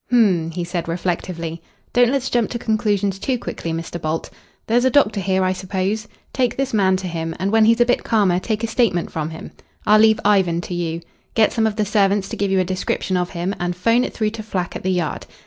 "H'm!" he said reflectively. "Don't let's jump to conclusions too quickly, Mr. Bolt. There's a doctor here, I suppose? Take this man to him, and when he's a bit calmer take a statement from him. I'll leave Ivan to you. Get some of the servants to give you a description of him, and 'phone it through to Flack at the Yard.